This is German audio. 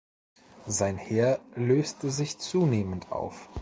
Sein Heer löste sich zunehmend auf.